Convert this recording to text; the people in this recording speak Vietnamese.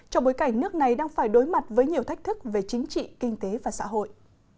trong bối cảnh nước này đang phải đối mặt với nhiều thách thức về chính trị kinh tế và xã hội